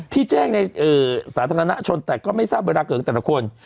ที่แจ้งในสาธารณชนแต่ก็ไม่ทราบเวลาเกิดของแต่ละคน